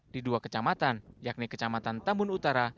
di dua kecamatan yakni kecamatan tambun utara